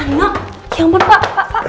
anak ya ampun pak